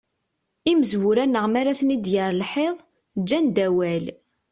Imezwura-nneɣ mara ten-id-yerr lḥiḍ, ǧǧan-d awal.